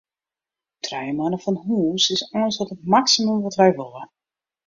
Trije moanne fan hús is eins wol it maksimum wat wy wolle.